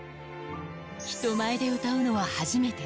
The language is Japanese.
人前で歌うのは初めて。